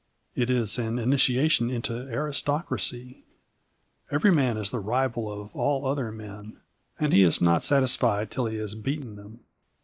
It is an initiation into aristocracy. Every man is the rival of all other men, and he is not satisfied till he has beaten them.